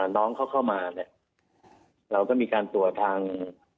น้องเขาเข้ามาเนี่ยเราก็มีการตรวจทาง